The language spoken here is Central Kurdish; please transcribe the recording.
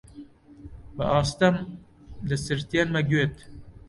بە ئاستەم دەسرتێنمە گوێت: